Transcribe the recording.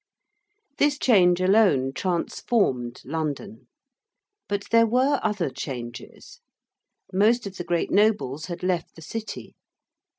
This change alone transformed London. But there were other changes. Most of the great nobles had left the City.